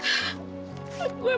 aku emang kecewa banget